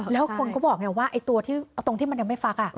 แล้วคนก็บอกไงว่าตรงที่มันยังไม่ฟัก